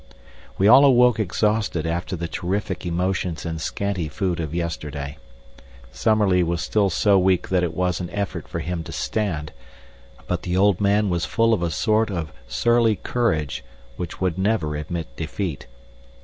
We all awoke exhausted after the terrific emotions and scanty food of yesterday. Summerlee was still so weak that it was an effort for him to stand; but the old man was full of a sort of surly courage which would never admit defeat.